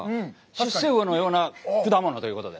出世魚のような果物ということで。